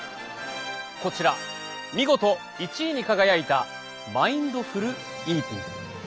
こちら見事１位に輝いたマインドフル・イーティング。